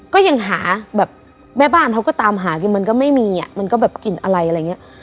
ก็ยังหาแบบแม่บ้านเขาก็ตามหากินมันก็ไม่มีอ่ะมันก็แบบกลิ่นอะไรอะไรอย่างนี้